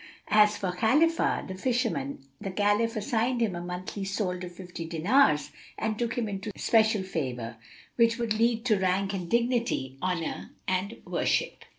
As for Khalifah, the Fisherman, the Caliph assigned him a monthly solde of fifty dinars and took him into especial favour, which would lead to rank and dignity, honour and worship.